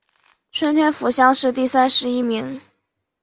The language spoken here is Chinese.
顺天府乡试第三十一名。